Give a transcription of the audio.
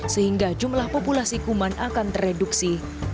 sehingga jumlah populasi kuman akan tereduksi